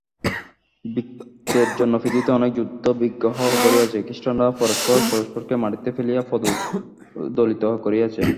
বিত্তের জন্য পৃথিবীতে অনেক যুদ্ধ-বিগ্রহ ঘটিয়াছে, খ্রীষ্টানরা পরস্পর পরস্পরকে মাটিতে ফেলিয়া পদদলিত করিয়াছে।